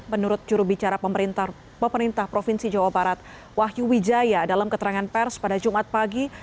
menurut jurubicara pemerintah provinsi jawa barat wahyu wijaya dalam keterangan pers pada jumat pagi